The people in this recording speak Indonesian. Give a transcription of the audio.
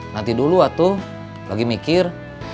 nanti dulu waktu lagi mikir